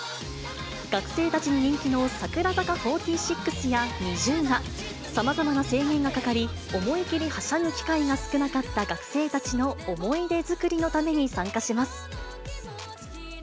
学生たちに人気の櫻坂４６やＮｉｚｉＵが、さまざまな制限がかかり、思い切りはしゃぐ機会が少なかった学生たちの思い出作りのために参加します。